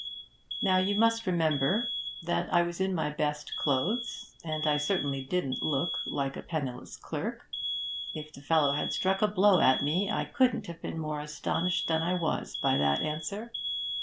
'Now, you must remember that I was in my best clothes, and I certainly didn't look like a penniless clerk. If the fellow had struck a blow at me, I couldn't have been more astonished than I was by that answer.